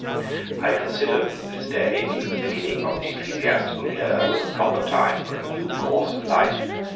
I considered that this day, being the beginning of the ecclesiastical year, was a proper time for a new course of life.